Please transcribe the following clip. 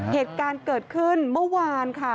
เหตุการณ์เกิดขึ้นเมื่อวานค่ะ